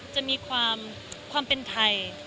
จะมีความเป็นไทย